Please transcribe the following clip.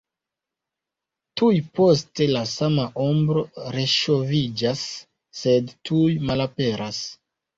Tuj poste la sama ombro reŝoviĝas, sed tuj malaperas.